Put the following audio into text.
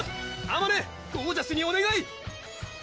あまねゴージャスにおねがい！